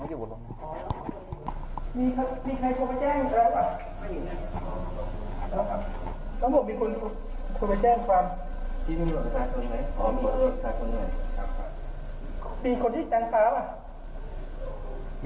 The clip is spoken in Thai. วิ่งขึ้นรถใต้